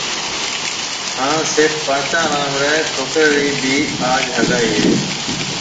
هانَ سيٺ پانچا رام ريَ ڇوڪرِي رِي ڀِي آج هگائي هيَ۔